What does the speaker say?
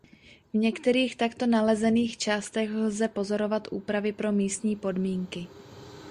V některých takto nalezených částech lze pozorovat úpravy pro místní podmínky.